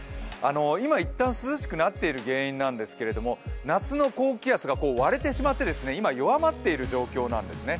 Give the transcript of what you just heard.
今、一旦涼しくなっている原因なんですけれども夏の高気圧が割れてしまって今、弱まっている状況なんですね。